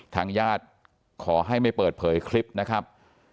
ทางญาติขอให้ไม่เปิดเผยคลิปนะครับ